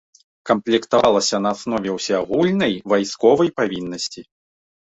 Камплектавалася на аснове ўсеагульнай вайсковай павіннасці.